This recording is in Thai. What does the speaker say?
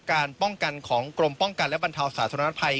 การป้องกันของกรมป้องกันและบรรเทาสาธารณภัย